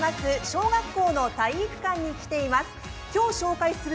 小学校の体育館に来ています。